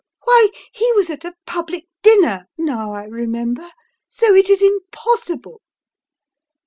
Why, he was at a public dinner, now I remember, so it is impossible!"